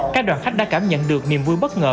các đoàn khách đã cảm nhận được niềm vui bất ngờ